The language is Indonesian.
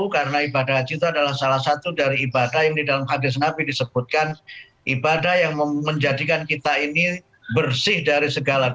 karena itu kami dari